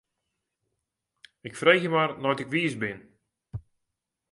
Ik freegje mar nei't ik wiis bin.